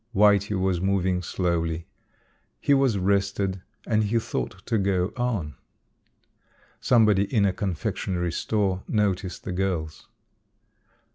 Whitey was moving slowly. He was rested and he thought to go on. Somebody in a confectionery store noticed the girls.